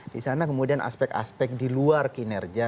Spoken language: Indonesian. di sana kemudian aspek aspek di luar kinerja